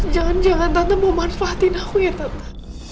jangan jangan tante mau manfaatin aku ya tante